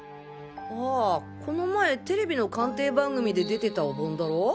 ああこの前ＴＶの鑑定番組で出てたお盆だろ？